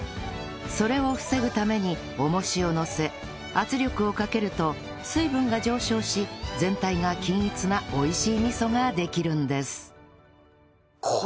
それを防ぐために重しをのせ圧力をかけると水分が上昇し全体が均一な美味しい味噌ができるんです